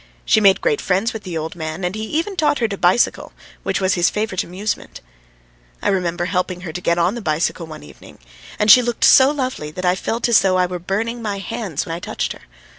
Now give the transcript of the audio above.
She made great friends with the old man, and he even taught her to bicycle, which was his favourite amusement. I remember helping her to get on the bicycle one evening, and she looked so lovely that I felt as though I were burning my hands when I touched her.